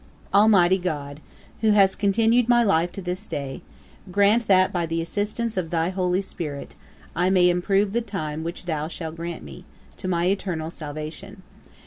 'Almighty God, who hast continued my life to this day, grant that, by the assistance of thy Holy Spirit, I may improve the time which thou shall grant me, to my eternal salvation.